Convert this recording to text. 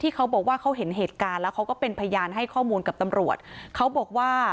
เขาบอกว่าเขาเห็นเหตุการณ์แล้วเขาก็เป็นพยานให้ข้อมูลกับตำรวจเขาบอกว่า